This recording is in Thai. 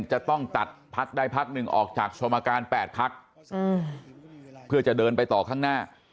จะต้องตัดพักใดพักหนึ่งออกจากสมการ๘พักเพื่อจะเดินไปต่อข้างหน้า